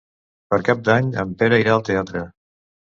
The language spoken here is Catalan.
Per Cap d'Any en Pere irà al teatre.